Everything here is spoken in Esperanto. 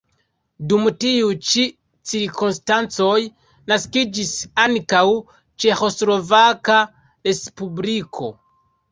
Dum tiuj ĉi cirkonstancoj naskiĝis ankaŭ Ĉeĥoslovaka respubliko.